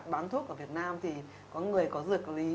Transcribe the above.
bán thuốc ở việt nam thì có người có dược có lý